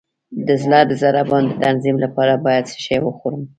د زړه د ضربان د تنظیم لپاره باید څه شی وخورم؟